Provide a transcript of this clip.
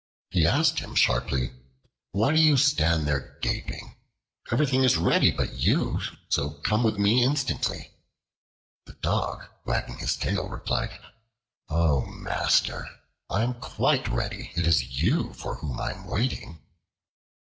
He asked him sharply: "Why do you stand there gaping? Everything is ready but you, so come with me instantly." The Dog, wagging his tail, replied: "O, master! I am quite ready; it is you for whom I am waiting."